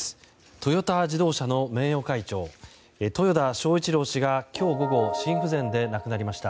トヨタ自動車の名誉会長豊田章一郎氏が今日午後心不全で亡くなりました。